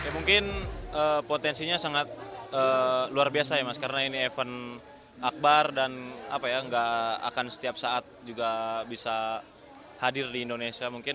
mungkin potensinya sangat luar biasa ya mas karena ini event akbar dan gak akan setiap saat bisa hadir di indonesia